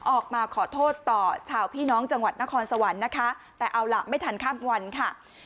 ออกมาขอโทษต่อชาวพี่น้องจังหวัดนครสวรรค์นะคะแต่เอาล่ะไม่ทันข้ามวันค่ะ